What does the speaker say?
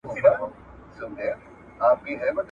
له یوه میدانه وزو بل میدان ته ور ګډیږو !.